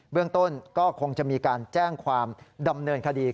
เรื่องต้นก็คงจะมีการแจ้งความดำเนินคดี